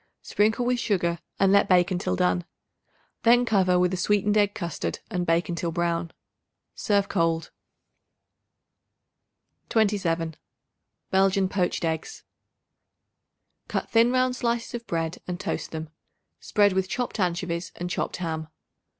Sprinkle with sugar and let bake until done. Then cover with a sweetened egg custard and bake until brown. Serve cold. 27. Belgian Poached Eggs. Cut thin round slices of bread and toast them. Spread with chopped anchovies and chopped ham.